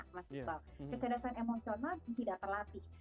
kecerdasan emosional tidak terlatih